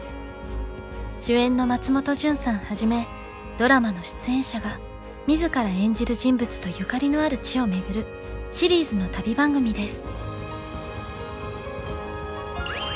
主演の松本潤さんはじめドラマの出演者が自ら演じる人物とゆかりのある地を巡るシリーズの旅番組です。